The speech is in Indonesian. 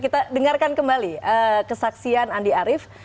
kita dengarkan kembali kesaksian andi arief